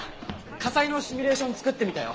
火災のシミュレーション作ってみたよ。